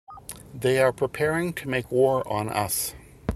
They are preparing to make war on us.